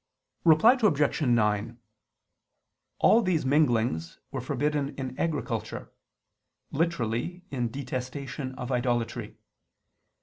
Reply Obj. 9: All these minglings were forbidden in agriculture; literally, in detestation of idolatry.